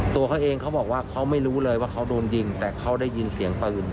ตัวเขาเองเขาบอกว่าเขาไม่รู้เลยว่าเขาโดนยิงแต่เขาได้ยินเสียงปืน